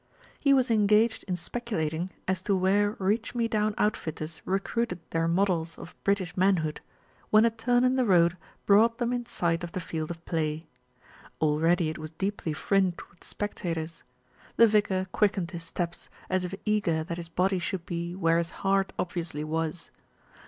He was engaged in speculating as to where reach me down outfitters recruited their models of British man hood, when a turn in the road brought them in sight of the field of play. Already it was deeply fringed with spectators. The vicar quickened his steps, as if eager 188 SMITH BECOMES A POPULAR HERO 189 that his body should be where his heart obviously was.